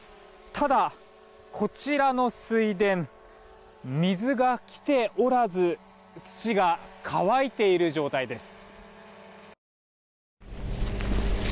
ただ、こちらの水田水が来ておらず土が乾いている状態です。